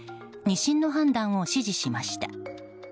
２審の判断を支持しました。